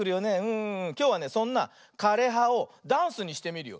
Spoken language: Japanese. きょうはねそんな「かれは」をダンスにしてみるよ。